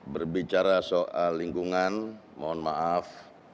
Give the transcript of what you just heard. berbicara soal lingkungan mohon maaf